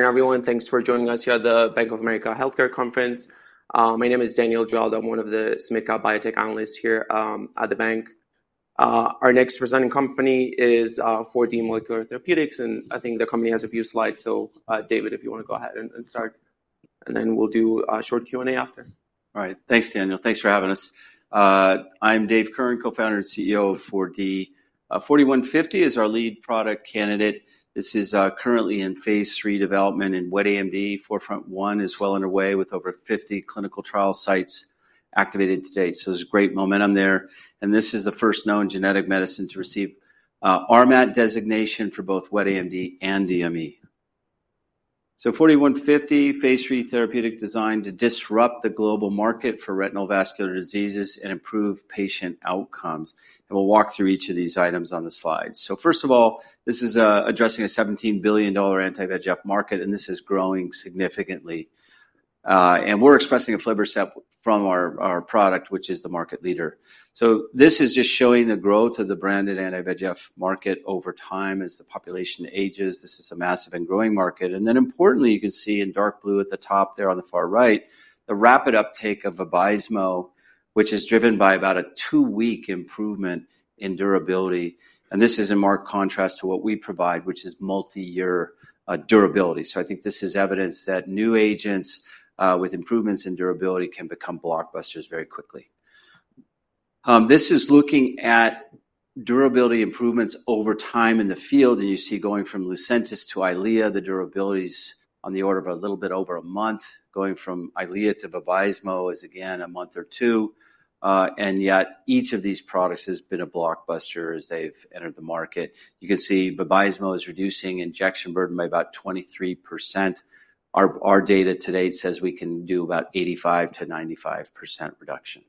Hi, everyone. Thanks for joining us here at the Bank of America Healthcare conference. My name is Daniel Giraldo. I'm one of the biotech analysts here at the bank. Our next presenting company is 4D Molecular Therapeutics, and I think the company has a few slides. David, if you want to go ahead and start, and then we'll do a short Q&A after. All right. Thanks, Daniel. Thanks for having us. I'm David Kirn, co-founder and CEO of 4D Molecular Therapeutics. 4D-150 is our lead product candidate. This is currently in phase III development in wet AMD. Forefront One is well underway with over 50 clinical trial sites activated today. There is great momentum there. This is the first known genetic medicine to receive RMAT designation for both wet AMD and DME. 4D-150, phase III therapeutic, is designed to disrupt the global market for retinal vascular diseases and improve patient outcomes. We'll walk through each of these items on the slides. First of all, this is addressing a $17 billion anti-VEGF market, and this is growing significantly. We're expressing aflibercept from our product, which is the market leader. This is just showing the growth of the branded anti-VEGF market over time as the population ages. This is a massive and growing market. Importantly, you can see in dark blue at the top there on the far right, the rapid uptake of Vabysmo, which is driven by about a two-week improvement in durability. This is in marked contrast to what we provide, which is multi-year durability. I think this is evidence that new agents with improvements in durability can become blockbusters very quickly. This is looking at durability improvements over time in the field. You see going from Lucentis to Eylea, the durability is on the order of a little bit over a month. Going from Eylea to Vabysmo is again a month or two. Yet each of these products has been a blockbuster as they have entered the market. You can see Vabysmo is reducing injection burden by about 23%. Our data to date says we can do about 85%-95% reduction.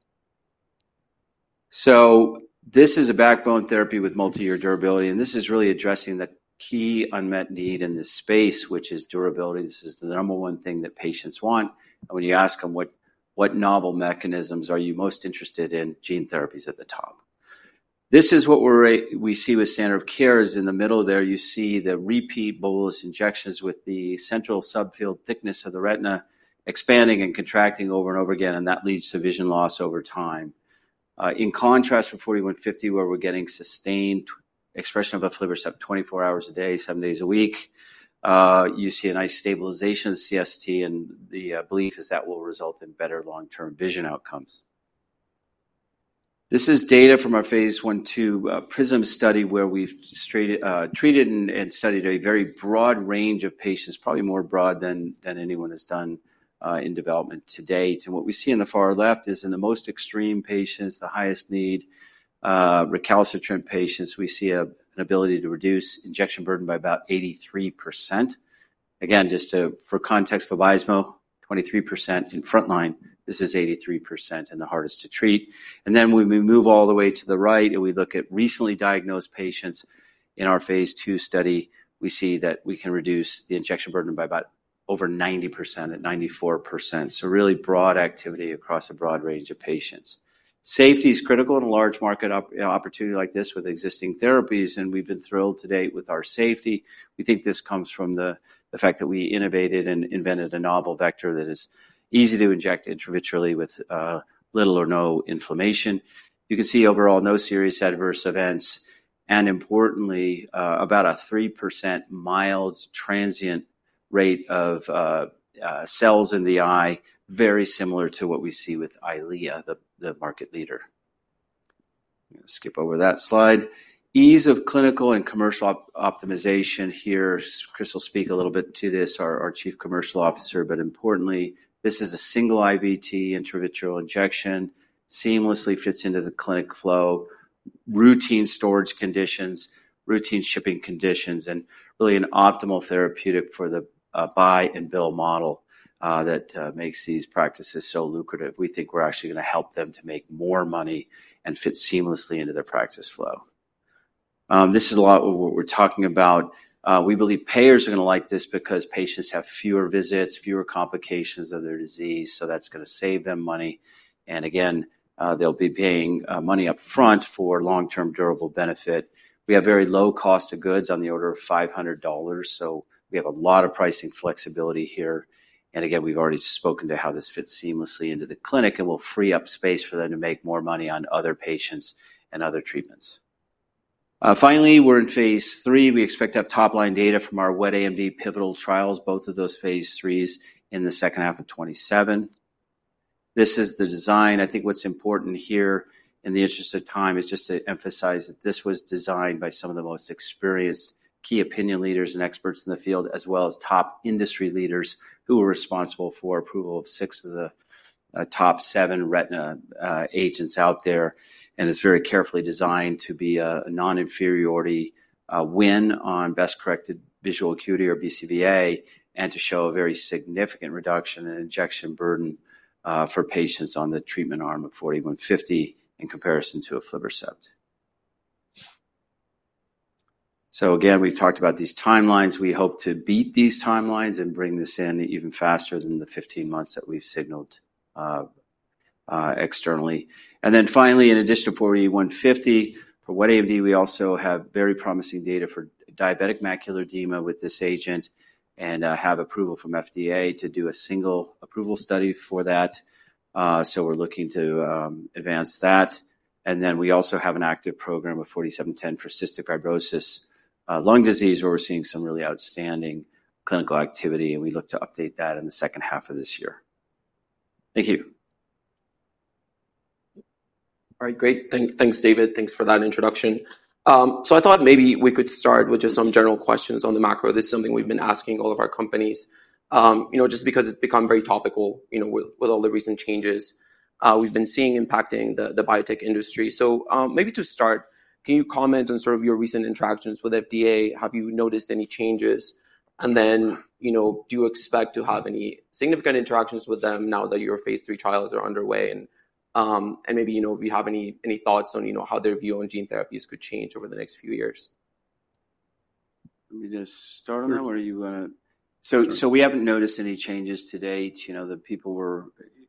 This is a backbone therapy with multi-year durability. This is really addressing the key unmet need in this space, which is durability. This is the number one thing that patients want. When you ask them what novel mechanisms are you most interested in, gene therapy is at the top. This is what we see with standard of care. In the middle there, you see the repeat bolus injections with the central subfield thickness of the retina expanding and contracting over and over again. That leads to vision loss over time. In contrast, for 4D-150, where we're getting sustained expression of aflibercept 24 hours a day, seven days a week, you see a nice stabilization of CST. The belief is that will result in better long-term vision outcomes. This is data from our phase I to PRISM study, where we've treated and studied a very broad range of patients, probably more broad than anyone has done in development to date. What we see on the far left is in the most extreme patients, the highest need recalcitrant patients, we see an ability to reduce injection burden by about 83%. Again, just for context, Vabysmo, 23% in front line, this is 83% in the hardest to treat. When we move all the way to the right and we look at recently diagnosed patients in our phase II study, we see that we can reduce the injection burden by about over 90% at 94%. Really broad activity across a broad range of patients. Safety is critical in a large market opportunity like this with existing therapies. We've been thrilled to date with our safety. We think this comes from the fact that we innovated and invented a novel vector that is easy to inject intravitreally with little or no inflammation. You can see overall no serious adverse events. Importantly, about a 3% mild transient rate of cells in the eye, very similar to what we see with Eylea, the market leader. Skip over that slide. Ease of clinical and commercial optimization here. Chris will speak a little bit to this, our Chief Commercial Officer. Importantly, this is a single IVT intravitreal injection, seamlessly fits into the clinic flow, routine storage conditions, routine shipping conditions, and really an optimal therapeutic for the buy and bill model that makes these practices so lucrative. We think we are actually going to help them to make more money and fit seamlessly into their practice flow. This is a lot of what we are talking about. We believe payers are going to like this because patients have fewer visits, fewer complications of their disease. That is going to save them money. Again, they'll be paying money upfront for long-term durable benefit. We have very low cost of goods on the order of $500. We have a lot of pricing flexibility here. Again, we've already spoken to how this fits seamlessly into the clinic and will free up space for them to make more money on other patients and other treatments. Finally, we're in phase III. We expect to have top-line data from our wet AMD pivotal trials, both of those phase III in the second half of 2027. This is the design. I think what's important here in the interest of time is just to emphasize that this was designed by some of the most experienced key opinion leaders and experts in the field, as well as top industry leaders who are responsible for approval of six of the top seven retina agents out there. It is very carefully designed to be a non-inferiority win on best corrected visual acuity or BCVA and to show a very significant reduction in injection burden for patients on the treatment arm of 4D-150 in comparison to aflibercept. Again, we've talked about these timelines. We hope to beat these timelines and bring this in even faster than the 15 months that we've signaled externally. Finally, in addition to 4D-150 for wet AMD, we also have very promising data for diabetic macular edema with this agent and have approval from FDA to do a single approval study for that. We are looking to advance that. We also have an active program of 4D-710 for cystic fibrosis lung disease, where we are seeing some really outstanding clinical activity. We look to update that in the second half of this year. Thank you. All right. Great. Thanks, David. Thanks for that introduction. I thought maybe we could start with just some general questions on the macro. This is something we've been asking all of our companies just because it's become very topical with all the recent changes we've been seeing impacting the biotech industry. Maybe to start, can you comment on sort of your recent interactions with FDA? Have you noticed any changes? Do you expect to have any significant interactions with them now that your phase III trials are underway? Do you have any thoughts on how their view on gene therapies could change over the next few years? Let me just start on that. We haven't noticed any changes to date. The people we're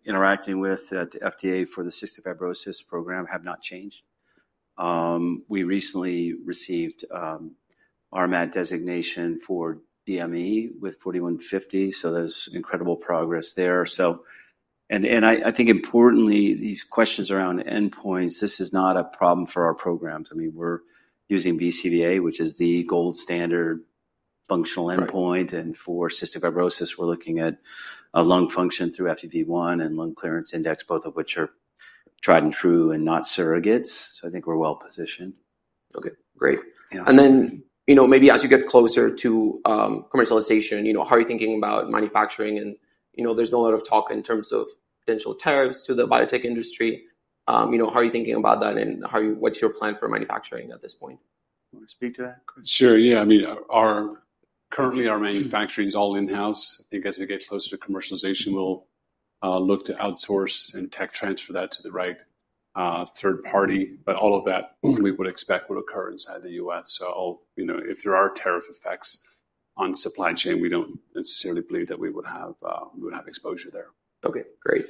interacting with at FDA for the cystic fibrosis program have not changed. We recently received RMAT designation for DME with 4D-150. There's incredible progress there. I think importantly, these questions around endpoints, this is not a problem for our programs. I mean, we're using BCVA, which is the gold standard functional endpoint. For cystic fibrosis, we're looking at lung function through FEV1 and lung clearance index, both of which are tried and true and not surrogates. I think we're well positioned. Okay. Great. Maybe as you get closer to commercialization, how are you thinking about manufacturing? There is a lot of talk in terms of potential tariffs to the biotech industry. How are you thinking about that? What is your plan for manufacturing at this point? Want to speak to that? Sure. Yeah. I mean, currently our manufacturing is all in-house. I think as we get closer to commercialization, we'll look to outsource and tech transfer that to the right third party. All of that we would expect would occur inside the U.S. If there are tariff effects on supply chain, we don't necessarily believe that we would have exposure there. Okay. Great.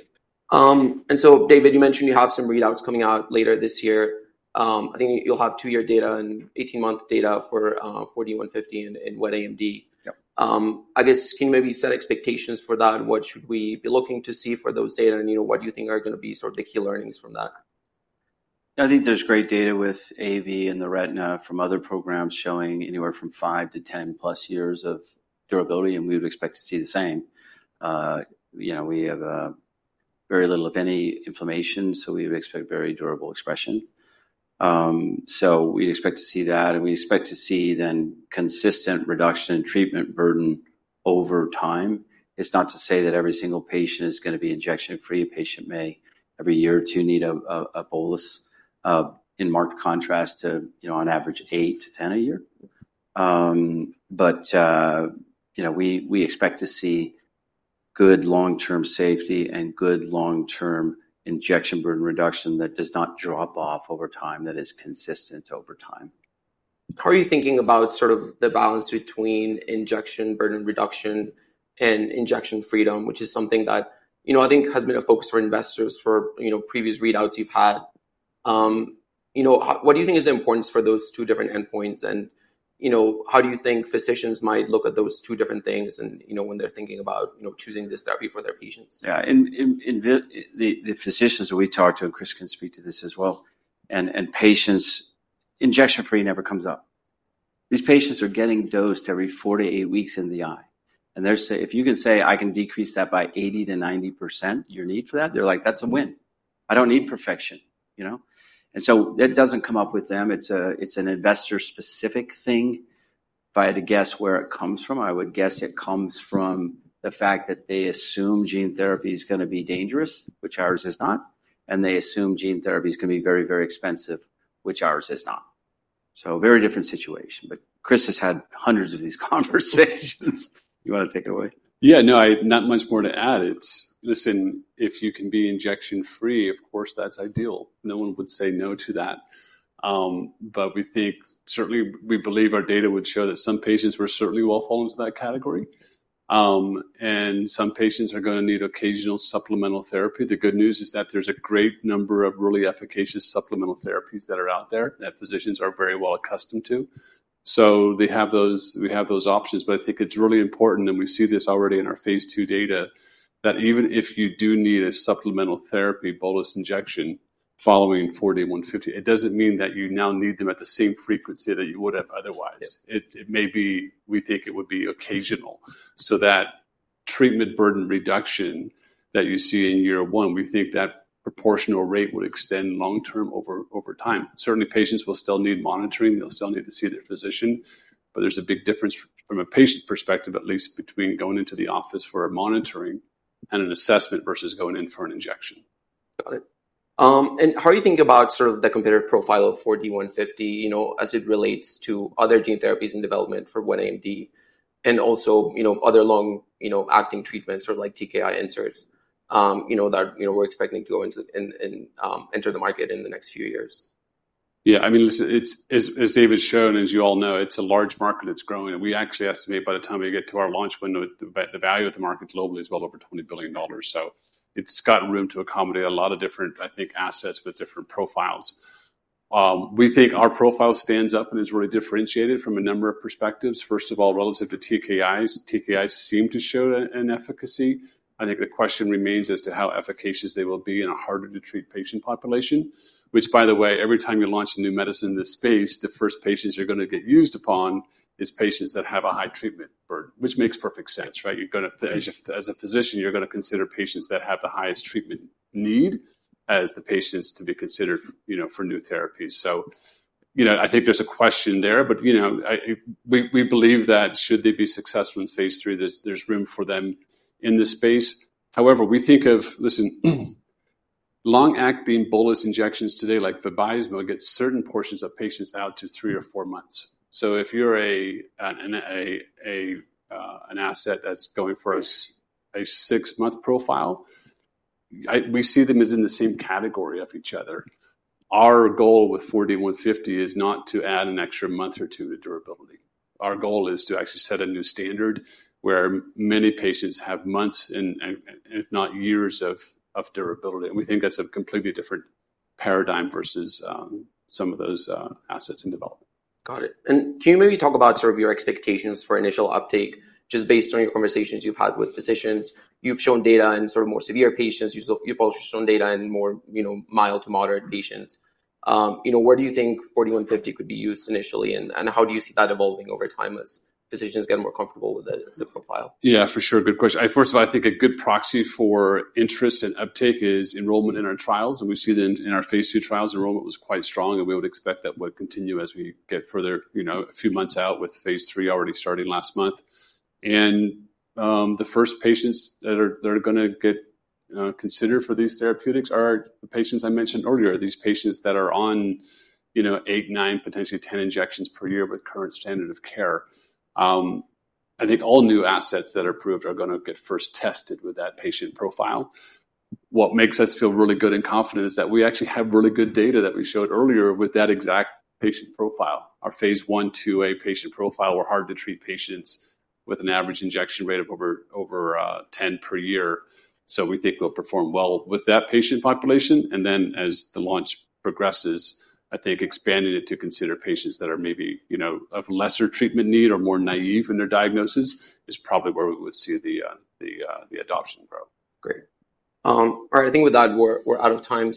David, you mentioned you have some readouts coming out later this year. I think you'll have two-year data and 18-month data for 4D-150 and wet AMD. I guess, can you maybe set expectations for that? What should we be looking to see for those data? What do you think are going to be sort of the key learnings from that? I think there's great data with AAV in the retina from other programs showing anywhere from 5 to 10+ years of durability. We would expect to see the same. We have very little, if any, inflammation. We would expect very durable expression. We would expect to see that. We expect to see then consistent reduction in treatment burden over time. It's not to say that every single patient is going to be injection-free. A patient may, every year or two, need a bolus in marked contrast to, on average, 8-10 a year. We expect to see good long-term safety and good long-term injection burden reduction that does not drop off over time, that is consistent over time. How are you thinking about sort of the balance between injection burden reduction and injection freedom, which is something that I think has been a focus for investors for previous readouts you've had? What do you think is the importance for those two different endpoints? How do you think physicians might look at those two different things when they're thinking about choosing this therapy for their patients? Yeah. The physicians that we talk to, and Chris can speak to this as well, and patients, injection-free never comes up. These patients are getting dosed every four to eight weeks in the eye. If you can say, "I can decrease that by 80%-90% your need for that," they're like, "That's a win. I don't need perfection." That doesn't come up with them. It's an investor-specific thing. If I had to guess where it comes from, I would guess it comes from the fact that they assume gene therapy is going to be dangerous, which ours is not. They assume gene therapy is going to be very, very expensive, which ours is not. Very different situation. Chris has had hundreds of these conversations. You want to take it away? Yeah. No, not much more to add. Listen, if you can be injection-free, of course, that's ideal. No one would say no to that. We think certainly we believe our data would show that some patients would certainly well fall into that category. Some patients are going to need occasional supplemental therapy. The good news is that there's a great number of really efficacious supplemental therapies that are out there that physicians are very well accustomed to. We have those options. I think it's really important, and we see this already in our phase II data, that even if you do need a supplemental therapy bolus injection following 4D-150, it doesn't mean that you now need them at the same frequency that you would have otherwise. It may be, we think it would be occasional. That treatment burden reduction that you see in year one, we think that proportional rate would extend long-term over time. Certainly, patients will still need monitoring. They'll still need to see their physician. There's a big difference from a patient perspective, at least, between going into the office for a monitoring and an assessment versus going in for an injection. Got it. How are you thinking about sort of the competitive profile of 4D-150 as it relates to other gene therapies in development for wet AMD and also other long-acting treatments or TKI inserts that we're expecting to go into and enter the market in the next few years? Yeah. I mean, as David's shown, as you all know, it's a large market that's growing. We actually estimate by the time we get to our launch window, the value of the market globally is well over $20 billion. It's got room to accommodate a lot of different, I think, assets with different profiles. We think our profile stands up and is really differentiated from a number of perspectives. First of all, relative to TKIs, TKIs seem to show an efficacy. I think the question remains as to how efficacious they will be in a harder-to-treat patient population, which, by the way, every time you launch a new medicine in this space, the first patients you're going to get used upon is patients that have a high treatment burden, which makes perfect sense, right? As a physician, you're going to consider patients that have the highest treatment need as the patients to be considered for new therapies. I think there's a question there. We believe that should they be successful in phase III, there's room for them in this space. We think of, listen, long-acting bolus injections today like Vabysmo will get certain portions of patients out to three or four months. If you're an asset that's going for a six-month profile, we see them as in the same category of each other. Our goal with 4D-150 is not to add an extra month or two to durability. Our goal is to actually set a new standard where many patients have months, if not years, of durability. We think that's a completely different paradigm versus some of those assets in development. Got it. Can you maybe talk about sort of your expectations for initial uptake just based on your conversations you've had with physicians? You've shown data in sort of more severe patients. You've also shown data in more mild to moderate patients. Where do you think 4D-150 could be used initially? How do you see that evolving over time as physicians get more comfortable with the profile? Yeah, for sure. Good question. First of all, I think a good proxy for interest and uptake is enrollment in our trials. We see that in our phase II trials, enrollment was quite strong. We would expect that would continue as we get further a few months out with phase III already starting last month. The first patients that are going to get considered for these therapeutics are the patients I mentioned earlier, these patients that are on 8, 9, potentially 10 injections per year with current standard of care. I think all new assets that are approved are going to get first tested with that patient profile. What makes us feel really good and confident is that we actually have really good data that we showed earlier with that exact patient profile, our phase I, phase II-A patient profile. We're hard to treat patients with an average injection rate of over 10 per year. We think we'll perform well with that patient population. As the launch progresses, I think expanding it to consider patients that are maybe of lesser treatment need or more naive in their diagnosis is probably where we would see the adoption grow. Great. All right. I think with that, we're out of time.